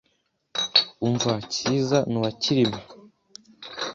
Umva Cyiza ni uwa Cyilima